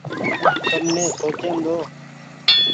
تم ني سوچيئن ۮئو۔